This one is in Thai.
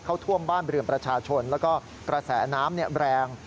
เข้าท่วมบ้านเรือนประชาชนแล้วก็กระแสน้ำแรง